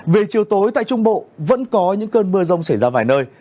về chiều tối tại trung bộ vẫn có những cơn mưa rông xảy ra vài nơi